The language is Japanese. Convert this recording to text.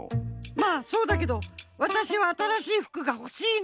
まあそうだけどわたしはあたらしい服がほしいの。